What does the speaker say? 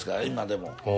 今でも。